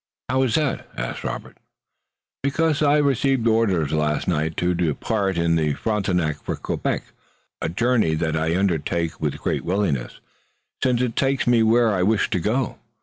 "How is that?" asked Robert "Because I received orders last night to depart in the Frontenac for Quebec, a journey that I undertake with great willingness, since it takes me where I wish to go.